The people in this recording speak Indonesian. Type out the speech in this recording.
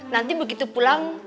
nanti begitu pulang